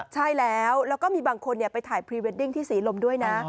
ใช่แล้วแล้วก็มีบางคนไปถ่ายพรีเวดดิ้งที่ศรีลมด้วยนะ